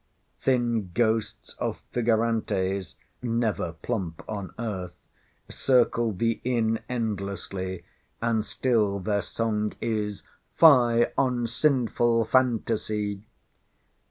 Thin ghosts of Figurantes (never plump on earth) circle thee in endlessly, and still their song is Fye on sinful Phantasy.